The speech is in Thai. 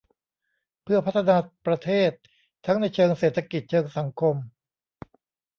เพื่อพัฒนาประเทศทั้งในเชิงเศรษฐกิจเชิงสังคม